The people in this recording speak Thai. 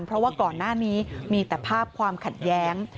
เพราะว่าก่อนหน้านี้มีแต่ภาพความขัดแย้ง